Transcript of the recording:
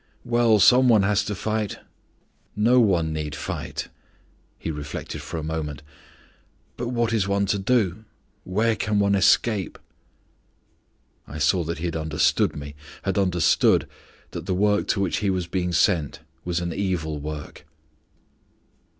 "Well, some one has to fight!" "No one need fight!" He reflected for a moment. "But what is one to do; where can one escape?" I saw that he had understood me, had understood that the work to which he was being sent was an evil work.